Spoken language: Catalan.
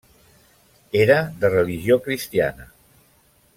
Era de religió cristiana.